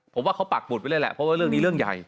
ผมว่าเขาปักหุดไปเลยแหละเพราะว่าเรื่องนี้เรื่องใหญ่